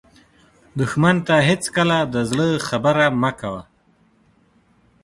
دښمن ته هېڅکله د زړه خبره مه کوه